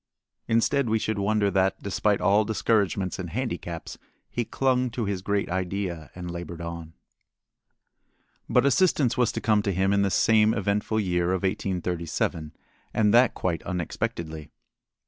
Instead we should wonder that, despite all discouragements and handicaps, he clung to his great idea and labored on. But assistance was to come to him in this same eventful year of 1837, and that quite unexpectedly.